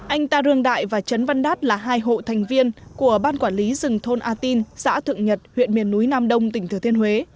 anh ta rương đại và trấn văn đát là hai hộ thành viên của ban quản lý rừng thôn a tin xã thượng nhật huyện miền núi nam đông tỉnh thừa thiên huế